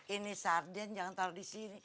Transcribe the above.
ini sardin jangan taruh disini